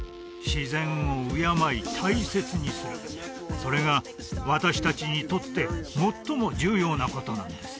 自然を敬い大切にするそれが私達にとって最も重要なことなんです